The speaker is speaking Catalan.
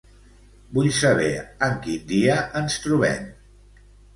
Vull saber en quin dia ens trobem.